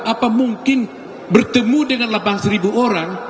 apa mungkin bertemu dengan delapan seribu orang